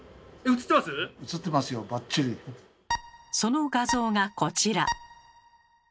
その画像がこちら。